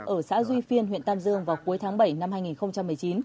ở xã duy phiên huyện tam dương vào cuối tháng bảy năm hai nghìn một mươi chín